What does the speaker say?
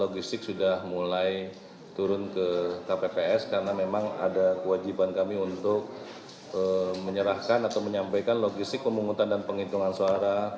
logistik sudah mulai turun ke kpps karena memang ada kewajiban kami untuk menyerahkan atau menyampaikan logistik pemungutan dan penghitungan suara